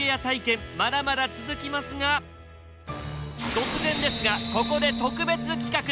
突然ですがここで特別企画！